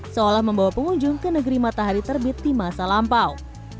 seolah membawa pengunjung ke negeri matahari terbit di masa lampau